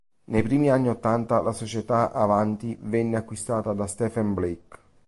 Nei primi anni ottanta la società Avanti venne acquistata da Stephen Blake.